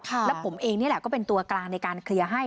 แล้วผมเองนี่แหละก็เป็นตัวกลางในการเคลียร์ให้